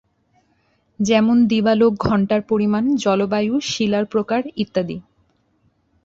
যেমন দিবালোক ঘণ্টার পরিমাণ, জলবায়ু, শিলার প্রকার, ইত্যাদি।